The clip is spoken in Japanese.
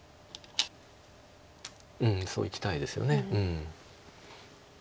うんそういきたいですよね。